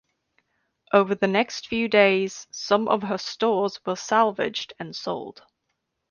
Over the next few days some of her stores were salvaged and sold.